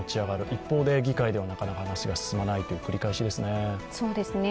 一方で議会ではなかなか話が進まないという繰り返しですね。